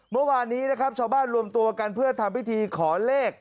เมื่อวานนี้นะครับชาวบ้านรวมตัวกันเพื่อทำพิธีขอเลข